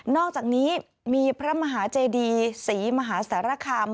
อกจากนี้มีพระมหาเจดีศรีมหาสารคาม